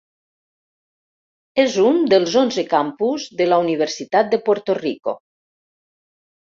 És un dels onze campus de la Universitat de Puerto Rico.